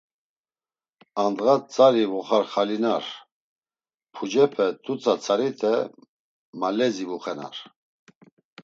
Andğa tzari voxarxalinar, pucepe t̆utsa tzarite malezi vuxenar.